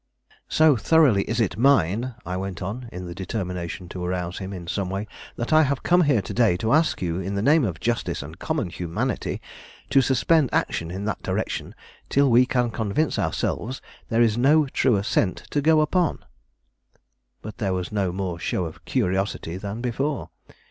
"So thoroughly is it mine," I went on, in the determination to arouse him in some way, "that I have come here to day to ask you in the name of justice and common humanity to suspend action in that direction till we can convince ourselves there is no truer scent to go upon." But there was no more show of curiosity than before.